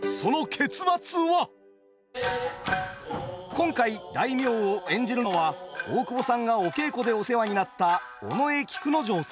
今回大名を演じるのは大久保さんがお稽古でお世話になった尾上菊之丞さん。